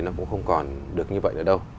nó cũng không còn được như vậy nữa đâu